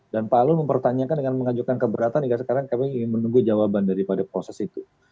dan pak alun mempertanyakan dengan mengajukan keberatan hingga sekarang kami menunggu jawaban daripada proses itu